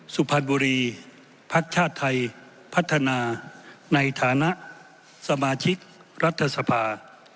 สุพรรณบุรีภักดิ์ชาติไทยพัฒนาในฐานะสมาชิกรัฐสภา